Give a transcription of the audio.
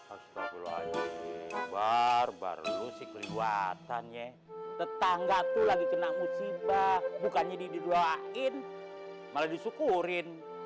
astagfirullah ji bar bar lo si keliwatannya tetangga tuh lagi kena musibah bukannya didoain malah disyukurin